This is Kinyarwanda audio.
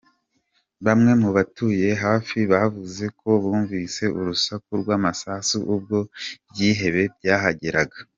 Bamwe mu batuye hafi bavuze ko bumvise urusaku rw’amasasu ubwo ibyihebe byahageraga.